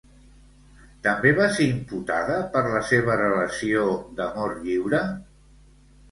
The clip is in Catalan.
També va ser imputada per la seva relació d'amor lliure?